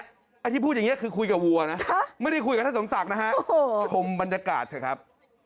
ไอ้ที่พูดอย่างนี้คือคุยกับวัวนะไม่ได้คุยกับท่านสมศักดิ์นะฮะชมบรรยากาศเถอะครับ